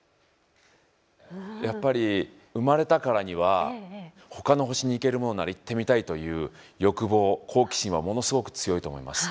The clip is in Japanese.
やっぱり生まれたからにはほかの星に行けるものなら行ってみたいという欲望好奇心はものすごく強いと思います。